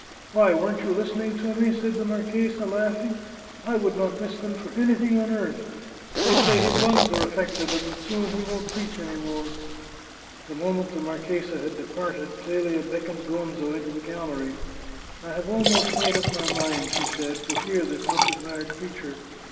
" Why, weren't you listening to me ?" said the marchesa, laughing. " I would not miss them for anything on earth. They say his lungs are affected, and that soon he won't preach any more." 525 The Chartreuse of Parma The moment the marchesa had departed Clelia beckoned Gonzo into the gallery. " I have almost made up my mind," she said, " to hear this much admired preacher.